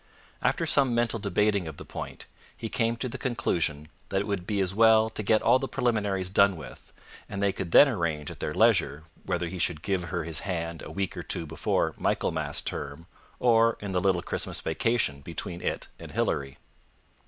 After some mental debating of the point, he came to the conclusion that it would be as well to get all the preliminaries done with, and they could then arrange at their leisure whether he should give her his hand a week or two before Michaelmas Term, or in the little Christmas vacation between it and Hilary.